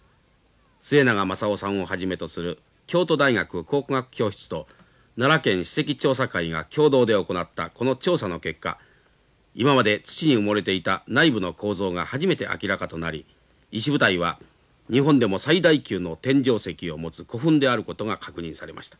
末永雅雄さんをはじめとする京都大学考古学教室と奈良県史蹟調査会が共同で行ったこの調査の結果今まで土に埋もれていた内部の構造が初めて明らかとなり石舞台は日本でも最大級の天井石を持つ古墳であることが確認されました。